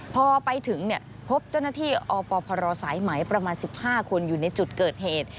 พอไปถึงพบเจ้าหน้าที่อพรสายไหมประมาณ๑๕คนอยู่ในจุดเกิดเหตุ